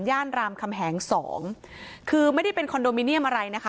รามคำแหงสองคือไม่ได้เป็นคอนโดมิเนียมอะไรนะคะ